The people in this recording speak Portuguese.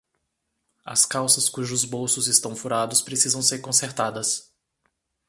As calças cujos bolsos estão furados precisam ser consertadas.